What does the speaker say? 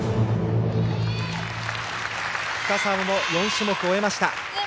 深沢も４種目を終えました。